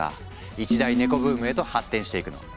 一大ネコブームへと発展していくの。